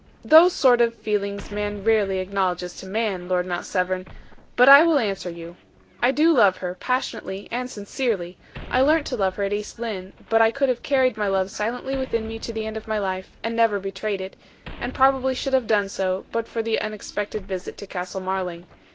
"Those sort of feelings man rarely acknowledges to man, Lord Mount Severn, but I will answer you. I do love her, passionately and sincerely; I learnt to love her at East Lynne; but I could have carried my love silently within me to the end of my life and never betrayed it; and probably should have done so, but for the unexpected visit to Castle Marling.